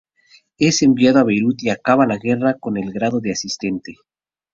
Es enviado a Beirut y acaba la guerra con el grado de asistente.